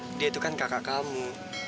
dia itu kan kakak kamu